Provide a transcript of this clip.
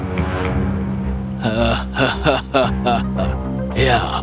segera semua akan bersih tanpa manusia